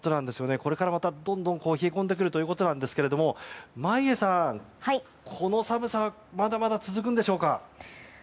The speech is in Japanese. これからまたどんどん冷え込んでくるということなんですが眞家さん、この寒さまだまだ続くんでしょうか？